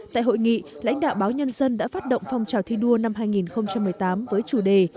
tại hội nghị lãnh đạo báo nhân dân đã phát động phong trào thi đua năm hai nghìn một mươi tám với chủ đề